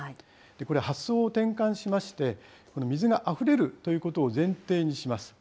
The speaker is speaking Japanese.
これ、発想を転換しまして、水があふれるということを前提にします。